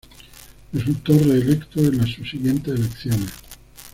Resultó reelecto en las subsiguientes elecciones.